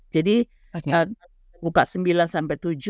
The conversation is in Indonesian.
jadi buka sembilan sampai tujuh